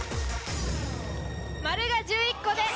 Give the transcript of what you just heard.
「〇」が１１個で。